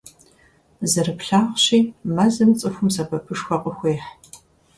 Зэрыплъагъущи, мэзым цӀыхум сэбэпышхуэ къыхуехь.